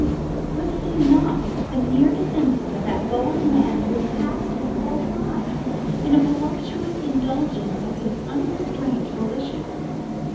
Was he not the near descendant of that bold man who passed his whole life in the voluptuous indulgence of his unrestrained volition!